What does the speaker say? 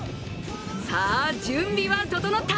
さあ、準備は整った！